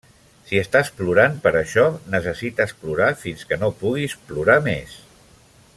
Si estàs plorant per això, necessites plorar fins que no puguis plorar més.